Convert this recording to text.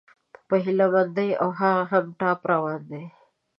په هيله مندي، او هغه هم ټاپ روان دى